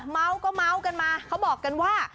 เมาก็เมาส์กันมาเขาบอกกันว่า